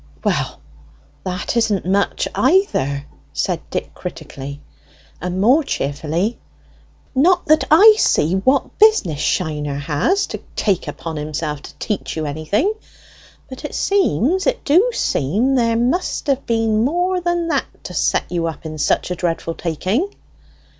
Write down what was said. "Well, that isn't much, either," said Dick critically, and more cheerfully. "Not that I see what business Shiner has to take upon himself to teach you anything. But it seems it do seem there must have been more than that to set you up in such a dreadful taking?"